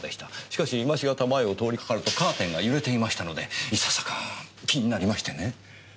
しかし今しがた前を通りかかるとカーテンが揺れていましたのでいささか気になりましてね。